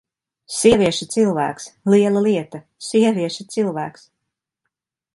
Sievieša cilvēks! Liela lieta: sievieša cilvēks!